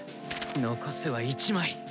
残すは１枚。